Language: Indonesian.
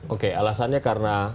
oke alasannya karena